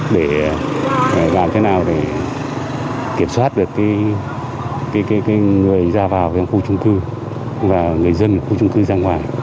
để làm thế nào để kiểm soát được người ra vào khu trung cư và người dân khu trung cư ra ngoài